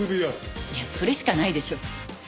いやそれしかないでしょ。